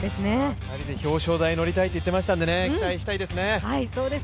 ２人で表彰台乗りたいと言っていましたので期待したいですね。